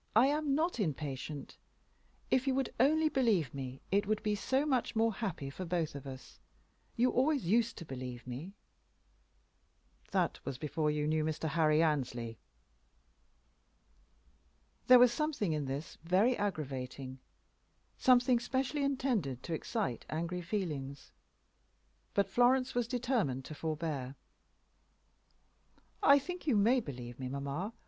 I am not impatient. If you would only believe me, it would be so much more happy for both of us. You always used to believe me." "That was before you knew Mr. Harry Annesley." There was something in this very aggravating, something specially intended to excite angry feelings. But Florence determined to forbear. "I think you may believe me, mamma.